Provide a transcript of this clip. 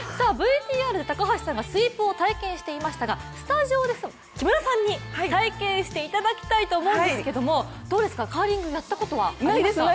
ＶＴＲで高橋さんがスイープを体験していましたがスタジオで木村さんに体験していただきたいと思うんですけどカーリングやったことはありますか？